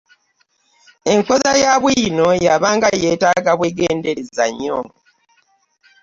Enkoza ya bwino yabanga yeetaaga bwegendereza nnyo.